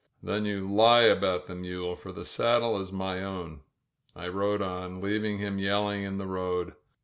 "Then you lie about the mule, for the saddle is my own." I rode on, leaving him yelling in the road.